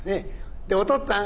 で『お父っつぁん。